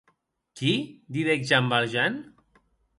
Qui?, didec Jean Valjean.